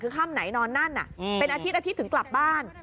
คือค่ำไหนนอนนั่นเป็นอาทิตอาทิตย์ถึงกลับบ้าน